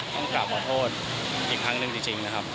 ต้องกลับมาโทษอีกครั้งหนึ่งจริงนะครับ